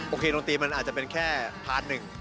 โคนตรีมันอาจจะเป็นแค่พาร์ทหนึ่ง